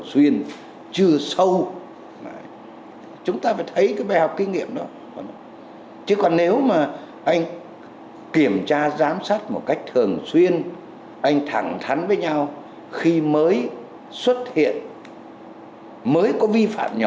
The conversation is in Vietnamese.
xuất hiện mới có vi phạm nhỏ thôi